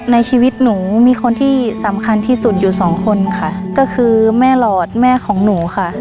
ในชีวิตหนูมีคนที่สำคัญที่สุดอยู่สองคนค่ะก็คือแม่หลอดแม่ของหนูค่ะ